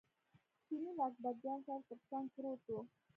چیني له اکبرجان سره تر څنګ پروت و.